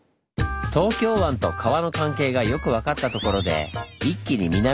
東京湾と川の関係がよくわかったところで一気に南へ。